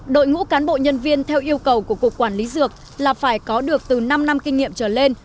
đội ngũ cán bộ nhân viên theo yêu cầu của cục quản lý dược là phải có được từ năm năm kinh nghiệm trở lên